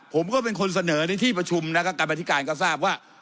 ผมก็เป็นคนเสนอในที่ประชุมนะครับกรรมธิการก็ทราบว่า